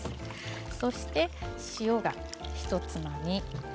そして、塩はひとつまみ。